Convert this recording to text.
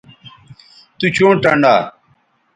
تو چوں ٹنڈا